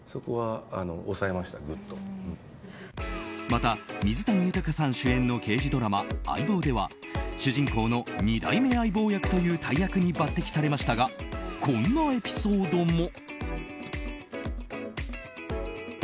また水谷豊さん主演の刑事ドラマ「相棒」では主人公の２代目相棒役という大役に抜擢されましたがこんなエピソードも。